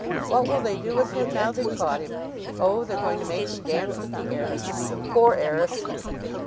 What will they do with him now they've caught him! Oh, they're going to make him dance with the heiress. Poor heiress!"